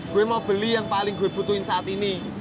gue mau beli yang paling gue butuhin saat ini